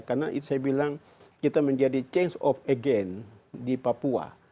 karena itu saya bilang kita menjadi change of again di papua